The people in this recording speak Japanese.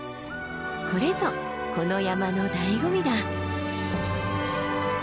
これぞこの山のだいご味だ。